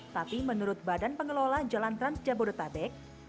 tapi menurut badan pengelola jalan trans jabodetabek